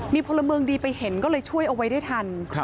มีพลเมืองดีไปเห็นก็เลยช่วยเอาไว้ได้ทัน